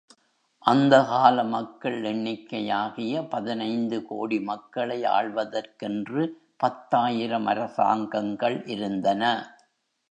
அந்த கால மக்கள் எண்ணிக்கையாகிய பதினைந்து கோடி மக்களை ஆள்வதற்கென்று பத்தாயிரம் அரசாங்கங்கள் இருந்தன.